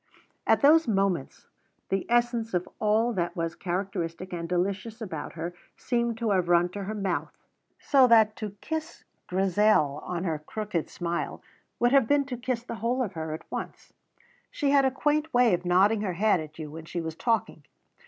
At those moments the essence of all that was characteristic and delicious about her seemed to have run to her mouth; so that to kiss Grizel on her crooked smile would have been to kiss the whole of her at once. She had a quaint way of nodding her head at you when she was talking.